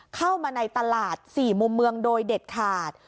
เข้ามาในตลาด๔มุมเมืองโดยเด็ดขาด